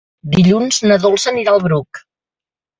Dilluns na Dolça anirà al Bruc.